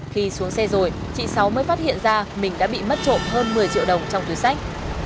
khi xuống xe rồi chị sáu mới phát hiện ra mình đã bị mất trộm hơn một mươi triệu đồng trong túi sách